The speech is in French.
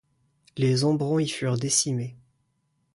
Les Ambrons y furent décimés.